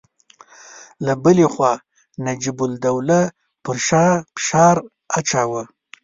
له بلې خوا نجیب الدوله پر شاه فشار اچاوه.